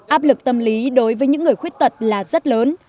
áp lực tâm lý đối với những người khuyết tật là rất lớn